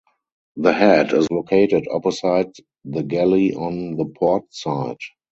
The head is located opposite the galley on the port side.